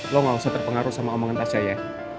lo gak usah terpengaruh sama omongan tasnya ya